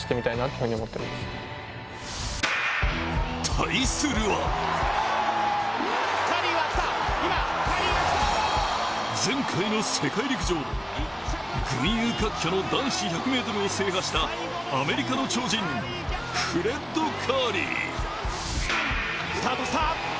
対するは、前回の世界陸上、群雄割拠の男子１００ｍを制したアメリカの超人、フレッド・カーリー。